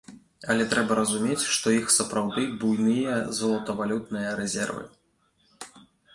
Але трэба разумець, што іх сапраўды буйныя золатавалютныя рэзервы.